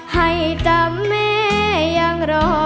ให้จำแม่ยังรอ